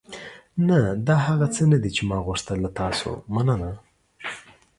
نه، دا هغه څه دي چې ما غوښتل. له تاسو مننه.